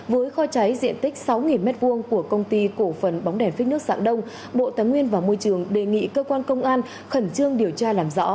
với kho cháy diện tích sáu m hai của công ty cổ phần bóng đèn phích nước dạng đông bộ tài nguyên và môi trường đề nghị cơ quan công an khẩn trương điều tra làm rõ